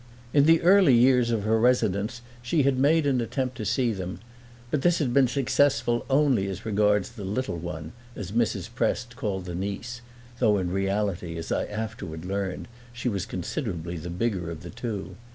In the early years of her residence she had made an attempt to see them, but this had been successful only as regards the little one, as Mrs. Prest called the niece; though in reality as I afterward learned she was considerably the bigger of the two.